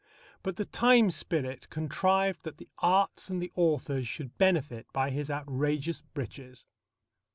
But the time spirit contrived that the arts and the authors should benefit by his outrageous breeches.